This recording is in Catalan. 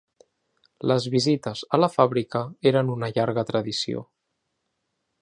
Les visites a la fàbrica eren una llarga tradició.